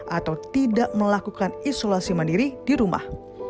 atau tidak melakukan isolasi mandiri di rumah